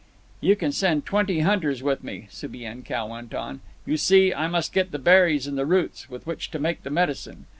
"You can send twenty hunters with me," Subienkow went on. "You see, I must get the berries and the roots with which to make the medicine.